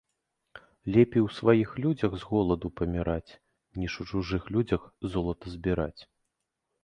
Лепей у сваіх людзях з голаду паміраць, ніж у чужых людзях золата збіраць